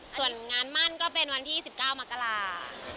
ส่วนงานมั่นก็เป็นวันที่๑๙มกรา